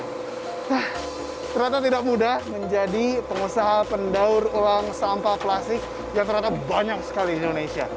nah ternyata tidak mudah menjadi pengusaha pendaur ulang sampah plastik yang ternyata banyak sekali di indonesia